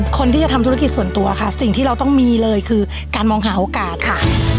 คนที่จะทำธุรกิจส่วนตัวค่ะสิ่งที่เราต้องมีเลยคือการมองหาโอกาสค่ะ